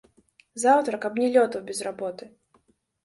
Заўтра каб не лётаў без работы!